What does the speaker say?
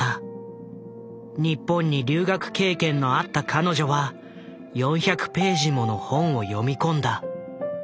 日本に留学経験のあった彼女は４００ページもの本を読み込んだ。